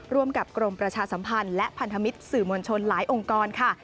ร่วมกับกรมประชาสัมพันธ์และพันธมิตรสื่อมวลชนหลายองค์กรค่ะ